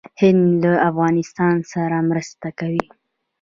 هند له افغانستان سره مرسته کوي.